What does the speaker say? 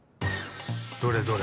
どれどれ。